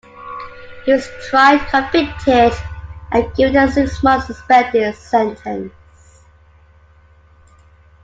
He was tried, convicted and given a six-month suspended sentence.